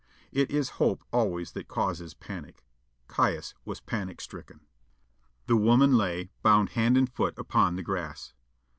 It is hope always that causes panic. Caius was panic stricken. The woman lay, bound hand and foot, upon the grass.